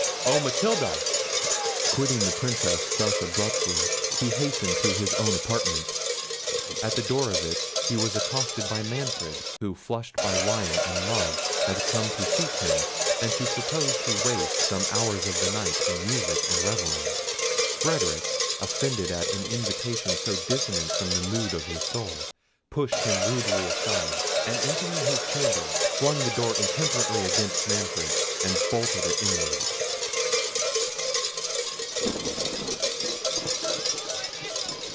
"Oh, Matilda!" Quitting the Princess thus abruptly, he hastened to his own apartment. At the door of it he was accosted by Manfred, who flushed by wine and love had come to seek him, and to propose to waste some hours of the night in music and revelling. Frederic, offended at an invitation so dissonant from the mood of his soul, pushed him rudely aside, and entering his chamber, flung the door intemperately against Manfred, and bolted it inwards.